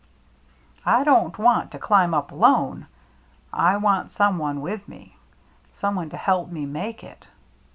I don't want to climb up alone. I want some one with me — some one to help me make it.